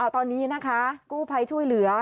ตอนนี้นะคะกู้ภัยช่วยเหลือ